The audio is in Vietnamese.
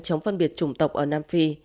chống phân biệt chủng tộc ở nam phi